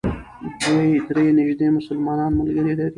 دوی درې نژدې مسلمان ملګري لري.